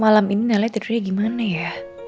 malam ini nala tidurnya gimana ya